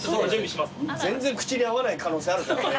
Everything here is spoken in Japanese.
全然口に合わない可能性あるからね。